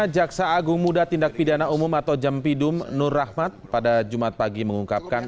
jaksa agung muda tindak pidana umum atau jampidum nur rahmat pada jumat pagi mengungkapkan